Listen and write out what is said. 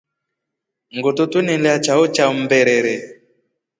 Ngoto ntwela chao cha mmbere.